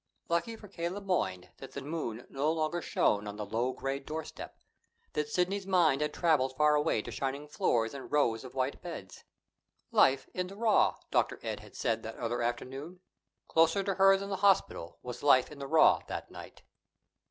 Lucky for K. Le Moyne that the moon no longer shone on the low gray doorstep, that Sidney's mind had traveled far away to shining floors and rows of white beds. "Life in the raw," Dr. Ed had said that other afternoon. Closer to her than the hospital was life in the raw that night.